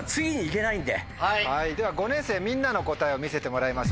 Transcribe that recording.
では５年生みんなの答えを見せてもらいましょう。